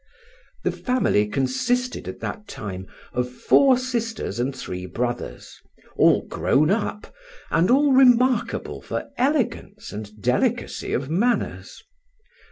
The family consisted at that time of four sisters and three brothers, all grown up, and all remarkable for elegance and delicacy of manners.